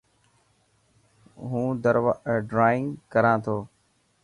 هون ڊرائونگ ڪران ٿو.